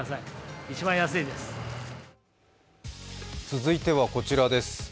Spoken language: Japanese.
続いてはこちらです。